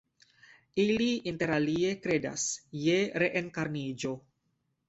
Ili interalie kredas je reenkarniĝo.